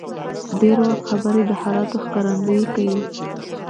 ډېر وخت خبرې د حالاتو ښکارندویي کوي.